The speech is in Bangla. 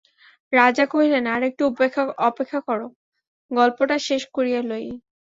রাজা কহিলেন, আর-একটু অপেক্ষা করো, গল্পটা শেষ করিয়া লই।